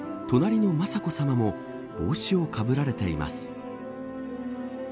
隣の雅子さまも帽子をかぶられています。